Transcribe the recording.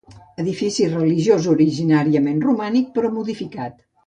Edifici religiós originàriament romànic però modificat.